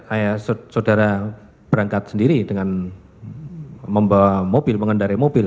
ayah saudara berangkat sendiri dengan membawa mobil mengendari mobil